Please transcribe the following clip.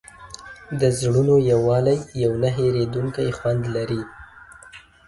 د زړونو یووالی یو نه هېرېدونکی خوند لري.